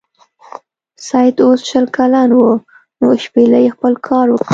سید اوس شل کلن و نو شپیلۍ خپل کار وکړ.